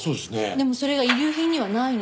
でもそれが遺留品にはないの。